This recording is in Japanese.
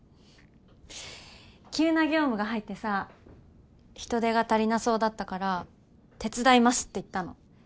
急な業務が入ってさ人手が足りなそうだったから手伝いますって言ったの。